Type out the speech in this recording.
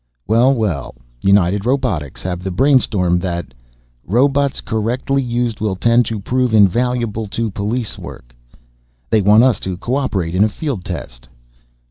"Well, well! United Robotics have the brainstorm that ... robots, correctly used will tend to prove invaluable in police work ... they want us to co operate in a field test